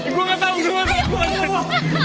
gue gak tau